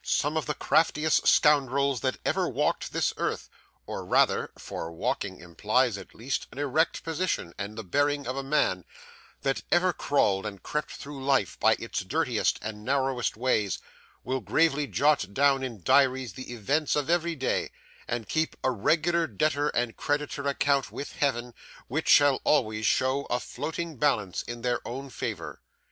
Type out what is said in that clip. Some of the craftiest scoundrels that ever walked this earth, or rather for walking implies, at least, an erect position and the bearing of a man that ever crawled and crept through life by its dirtiest and narrowest ways, will gravely jot down in diaries the events of every day, and keep a regular debtor and creditor account with Heaven, which shall always show a floating balance in their own favour.